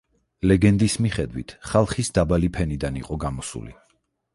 ლეგენდის მიხედვით ხალხის დაბალი ფენიდან იყო გამოსული.